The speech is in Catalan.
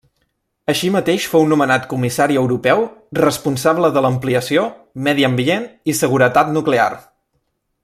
Així mateix fou nomenat Comissari Europeu responsable de l'Ampliació, Medi Ambient i Seguretat Nuclear.